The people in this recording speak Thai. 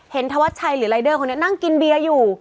ธวัชชัยหรือรายเดอร์คนนี้นั่งกินเบียร์อยู่